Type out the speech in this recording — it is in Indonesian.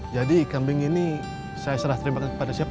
jadi kambing ini saya serah terima kasih kepada siapa